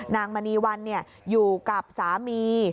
มณีวันอยู่กับสามี